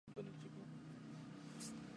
Gully se ahoga bajo el hielo.